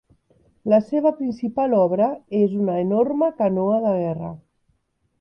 La seva principal obra és una enorme canoa de guerra.